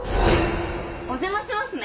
お邪魔しますね。